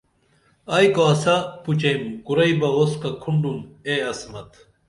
ائی کاسہ پُچیم کُرئی بہ اُسکہ کُھنڈِن اے عصمت